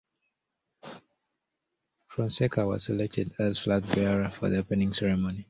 Fonseca was selected as flag bearer for the opening ceremony.